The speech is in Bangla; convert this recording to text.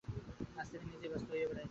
আজ তিনি নিজেই ব্যস্ত হইয়া বেড়াইতেছেন।